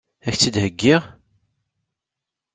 Ad k-tt-id-heggiɣ?